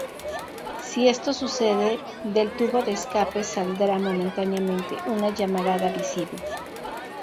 Si esto sucede, del tubo de escape saldrá momentáneamente una llamarada visible.